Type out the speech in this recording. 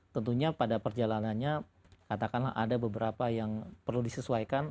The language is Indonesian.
tentunya pada perjalanannya katakanlah ada beberapa yang perlu disesuaikan